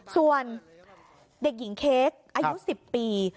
ส่วนเด็กหญิงเค้กอายุ๑๐ปี